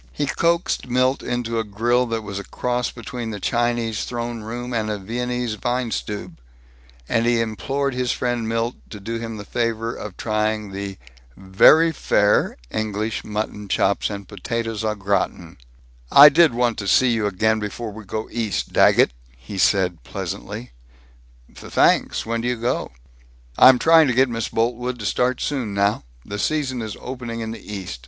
He coaxed Milt into a grill that was a cross between the Chinese throne room and a Viennese Weinstube, and he implored his friend Milt to do him the favor of trying the "very fair" English mutton chops and potatoes au gratin. "I did want to see you again before we go East, Daggett," he said pleasantly. "Th thanks. When do you go?" "I'm trying to get Miss Boltwood to start soon now. The season is opening in the East.